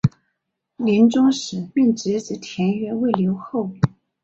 临终时命侄子田悦为留后。